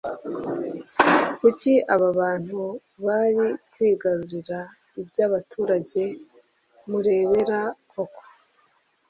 kuki aba bantu bari kwigarurira ibya abaturage murebera koko?